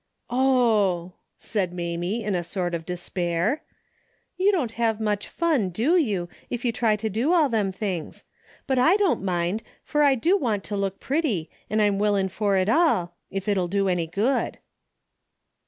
" Oh !" said Mamie, in a sort of despair. " You don't have much fun, do you, if you try to do all them things ? But I don't mind, for I do want to look pretty, an' I'm. willin' for it all, if it'll do any good."